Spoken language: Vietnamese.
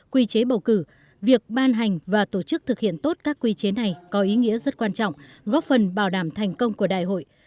quy chế bầu cử việc ban hành và tổ chức thực hiện tốt các quy chế này có ý nghĩa rất quan trọng góp phần bảo đảm thành công của đại hội